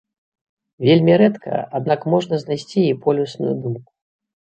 Вельмі рэдка, аднак можна знайсці і полюсную думку.